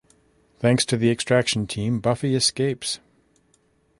Thanks to the extraction team, Buffy escapes.